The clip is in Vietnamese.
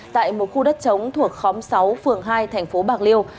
tại một khu đất chống thuộc khóm sáu phường hai thành phố bạc liêu